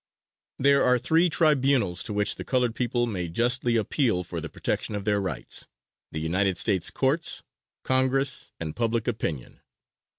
There are three tribunals to which the colored people may justly appeal for the protection of their rights: the United States Courts, Congress and public opinion.